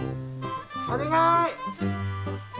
お願い！